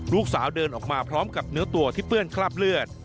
เดินออกมาพร้อมกับเนื้อตัวที่เปื้อนคราบเลือด